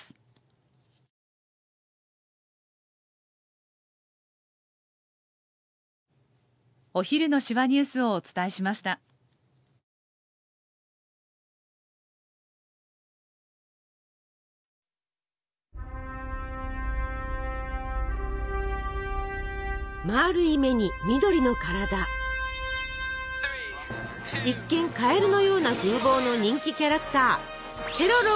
一見カエルのような風貌の人気キャラクターケロロ軍曹です。